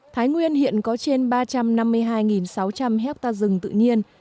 thái nguyên hiện có trên ba trăm năm mươi hai sáu trăm linh hectare rừng tự nhiên